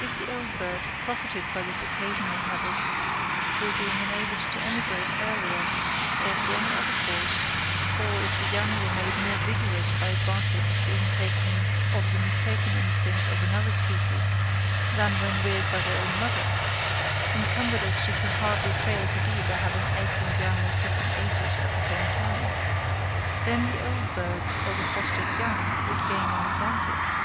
If the old bird profited by this occasional habit through being enabled to emigrate earlier or through any other cause; or if the young were made more vigorous by advantage being taken of the mistaken instinct of another species than when reared by their own mother, encumbered as she could hardly fail to be by having eggs and young of different ages at the same time, then the old birds or the fostered young would gain an advantage.